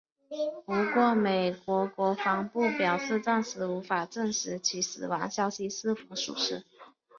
不过美国国防部表示暂时无法证实其死亡消息是否属实。